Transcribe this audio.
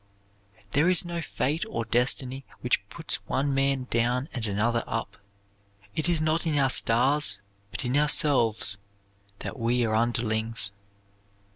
There is no fate or destiny which puts one man down and another up. "It is not in our stars, but in ourselves, that we are underlings."